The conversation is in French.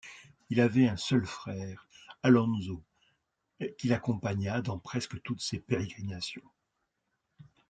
Il avait un seul frère, Alonso, qui l’accompagna dans presque toutes ses pérégrinations.